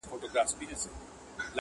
له بېلتونه پنا وړي د جانان غېږ ته .